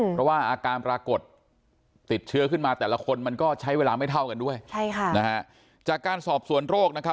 เพราะว่าอาการปรากฏติดเชื้อขึ้นมาแต่ละคนมันก็ใช้เวลาไม่เท่ากันด้วยใช่ค่ะนะฮะจากการสอบสวนโรคนะครับ